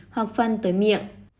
hoặc phân tới miệng